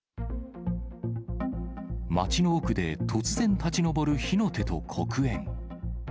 町の奥で突然立ち上る火の手と黒煙。